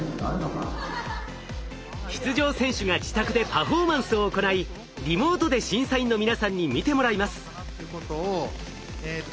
出場選手が自宅でパフォーマンスを行いリモートで審査員の皆さんに見てもらいます。